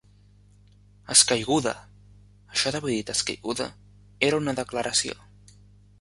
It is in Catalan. Escaiguda! Això d'haver dit escaiguda, era una declaració.